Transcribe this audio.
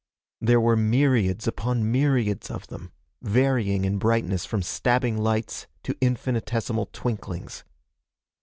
There were myriads upon myriads of them, varying in brightness from stabbing lights to infinitesimal twinklings.